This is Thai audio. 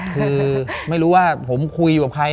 คือไม่รู้ว่าผมคุยกับใคร